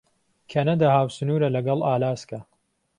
کەنەدا هاوسنوورە لەگەڵ ئالاسکا.